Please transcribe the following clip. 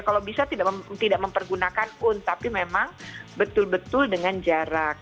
kalau bisa tidak mempergunakan un tapi memang betul betul dengan jarak